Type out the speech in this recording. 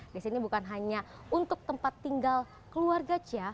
di sini bukan hanya untuk tempat tinggal keluarga cha